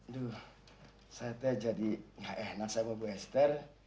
duh saya teh jadi gak enak sama ibu esther